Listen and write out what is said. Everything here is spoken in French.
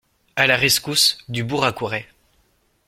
A la rescousse, Dubourg accourait.